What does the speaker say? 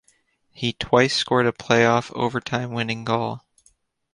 He twice scored a playoff overtime winning goal.